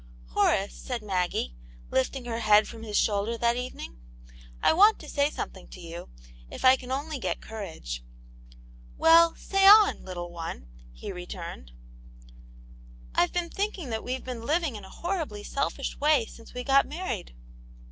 " Horace," said Maggie, lifting her head from his shoulder, that evening. " I want to say something to you, if I can only get courage." " Well, say on, little one," he returned. "Tve been thinking that weVe been living in a horribly selfish way since we were married."